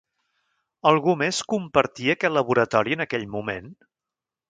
Algú més compartia aquest laboratori en aquell moment?